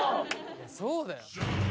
そうだよね